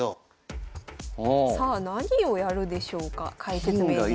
さあ何をやるでしょうか解説名人。